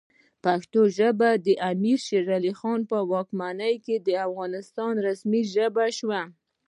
پښتو ژبه د امیر شیرعلی خان په واکمنۍ کې د افغانستان رسمي ژبه شوه.